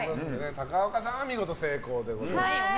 高岡さんは見事成功でございました。